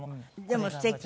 でもすてき。